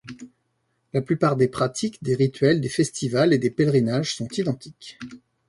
La plupart des pratiques, des rituels, des festivals et des pèlerinages sont identiques.